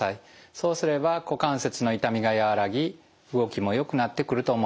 そうすれば股関節の痛みが和らぎ動きもよくなってくると思います。